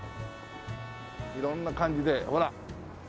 色んな感じでほら。